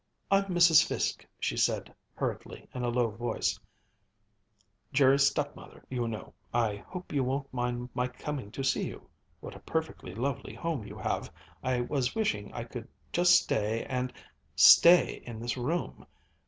"I'm Mrs. Fiske," she said hurriedly, in a low voice, "Jerry's stepmother, you know. I hope you won't mind my coming to see you. What a perfectly lovely home you have! I was wishing I could just stay and stay in this room."